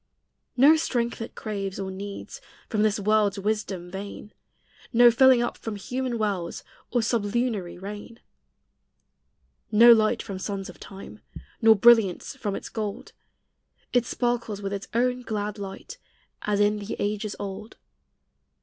No strength it craves or needs From this world's wisdom vain; No filling up from human wells, Or sublunary rain. No light from sons of time, Nor brilliance from its gold; It sparkles with its own glad light, As in the ages old.